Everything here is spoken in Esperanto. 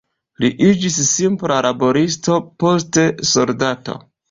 Li iĝis simpla laboristo, poste soldato.